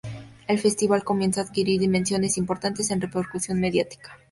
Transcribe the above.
El Festival comienza a adquirir dimensiones importantes en repercusión mediática.